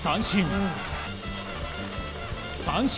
三振。